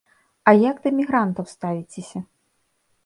А як да мігрантаў ставіцеся?